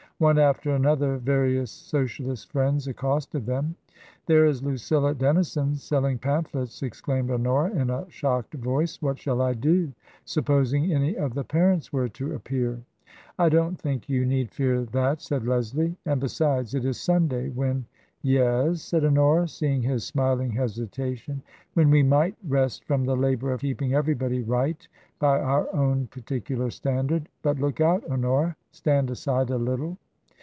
One after another various Socialist friends accosted them. "There is Lucilla Dennison selling pamphlets," ex claimed Honora, in a shocked voice ;what shall I do ? Supposing any of the parents were to appear ?"'* I don*t think you need fear that," said Leslie ;" and besides, it is Sunday, when "*' Yes ?" said Honora, seeing his smiling hesitation. " When we #night rest from the labour of keeping everybody right by our own particular standard. But look out, Honora ! Stand aside a little."